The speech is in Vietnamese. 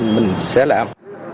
mình sẽ làm